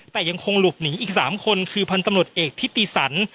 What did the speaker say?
แต่ยังคงหลบหนีอีก๓คนคือพันธุ์ตำรวจเอกทิติสัน